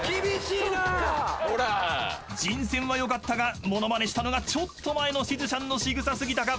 ［人選は良かったがものまねしたのがちょっと前のしずちゃんのしぐさ過ぎたか］